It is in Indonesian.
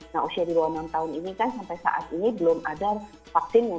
nah usia di bawah enam tahun ini kan sampai saat ini belum ada vaksinnya